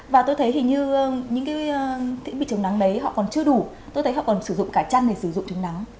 và tôi thấy thì như những thiết bị chống nắng đấy họ còn chưa đủ tôi thấy họ còn sử dụng cả chăn để sử dụng chống nắng